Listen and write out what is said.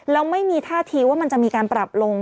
แล้วไม่มีท่าทีว่ามันจะมีการปรับลง